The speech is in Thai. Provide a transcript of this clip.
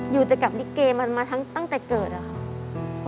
อยู่แต่กับลิเกมันมาตั้งแต่เกิดอะค่ะ